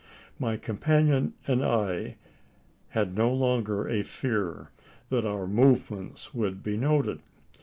My companion and I had no longer a fear that our movements would be noted.